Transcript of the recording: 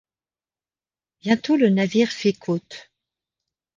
Bientôt le navire fit côte.